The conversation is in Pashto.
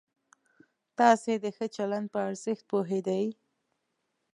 تاسې د ښه چلند په ارزښت پوهېدئ؟